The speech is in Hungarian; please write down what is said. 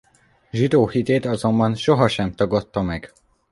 Zsidó hitét azonban sohasem tagadta meg.